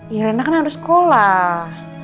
iya rena kan harus sekolah